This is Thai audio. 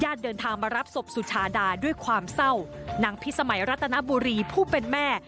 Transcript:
เดินทางมารับศพสุชาดาด้วยความเศร้านางพิสมัยรัตนบุรีผู้เป็นแม่